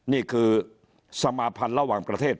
นี่คือสมาพันธ์ระหว่างประเทศ